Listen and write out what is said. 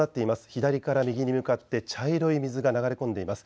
左から右に向かって茶色い水が流れ込んでいます。